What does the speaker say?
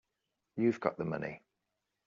You've got the money.